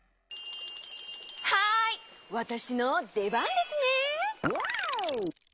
はいわたしのでばんですね！